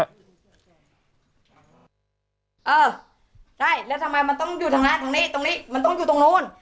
เออใช่แล้วทำไมมันต้องอยู่ทางร้านตรงนี้ตรงนี้มันต้องอยู่ตรงนู้น